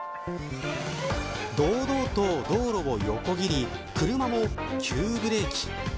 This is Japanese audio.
堂々と道路を横切り車も急ブレーキ。